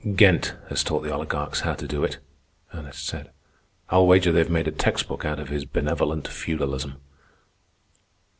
"Ghent has taught the oligarchs how to do it," Ernest said. "I'll wager they've made a text book out of his 'Benevolent Feudalism.